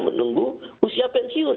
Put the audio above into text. menunggu usia pensiun